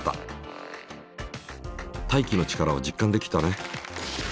大気の力を実感できたね。